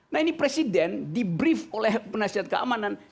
nah ini presiden di brief oleh penasihat keamanan